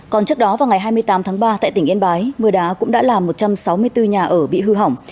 còn trước đó vào ngày hai mươi tám tháng ba tại tỉnh yên bái mưa đá cũng đã làm một trăm sáu mươi bốn nhà ở bị hư hỏng